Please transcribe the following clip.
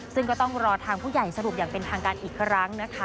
ซึ่งก็ต้องรอทางผู้ใหญ่สรุปอย่างเป็นทางการอีกครั้งนะคะ